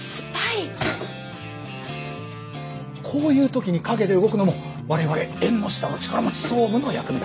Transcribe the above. こういう時に陰で動くのも我々縁の下の力持ち総務の役目だ。